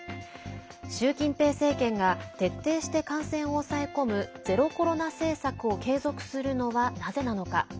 習近平政権が徹底して感染を抑え込むゼロコロナ政策を継続するのはなぜなのか。